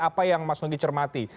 apa yang mas nugi cermati